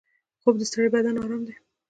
خوب د ستړي بدن ارام دی